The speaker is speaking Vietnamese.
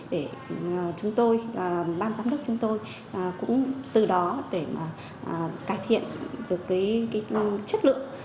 để chúng tôi và ban giám đốc chúng tôi cũng từ đó để mà cải thiện được cái chất lượng